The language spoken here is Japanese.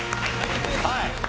はい。